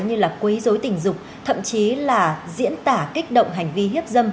như là quấy dối tình dục thậm chí là diễn tả kích động hành vi hiếp dâm